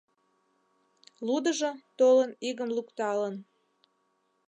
Лудыжо, толын, игым лукталын.